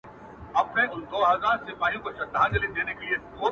نن یو امر او فرمان صادرومه؛